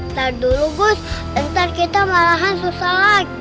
ntar dulu gus ntar kita malahan susah lagi